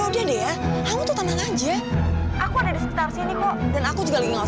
cintanya aja aku ada di sekitar sini kok dan aku juga lagi ngasih kamu